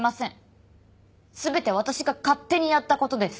全て私が勝手にやった事です。